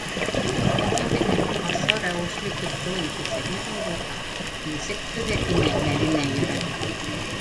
Әптеләхәтенең ошо рәүешле китеүен кисермәгән булһа, нисек түҙер ине Мәҙинә йөрәге?!